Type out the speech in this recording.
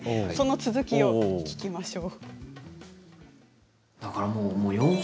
続きを聞きましょう。